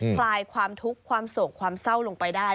คลายความทุกข์ความโศกความเศร้าลงไปได้